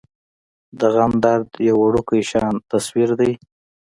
د غم درد يو وړوکے شان تصوير دے ۔